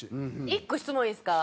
１個質問いいですか？